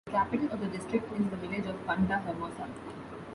The capital of the district is the village of Punta Hermosa.